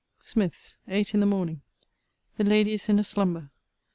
SMITH'S, EIGHT IN THE MORNING. The lady is in a slumber.